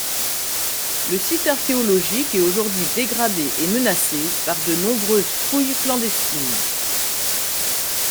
Le site archéologique est aujourd'hui dégradé et menacé par de nombreuses fouilles clandestines.